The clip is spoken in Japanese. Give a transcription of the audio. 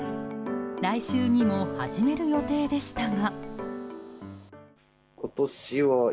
来週にも始める予定でしたが。